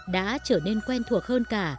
đã trở nên quen thuộc hơn cả